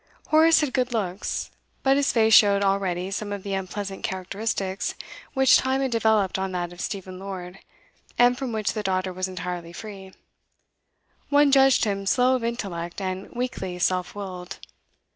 Horace had good looks, but his face showed already some of the unpleasant characteristics which time had developed on that of Stephen Lord, and from which the daughter was entirely free; one judged him slow of intellect and weakly self willed.